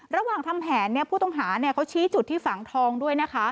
ระหว่างทำแผนผู้ต้องหาเขาชี้จุดที่ฝังทองด้วยนะคะ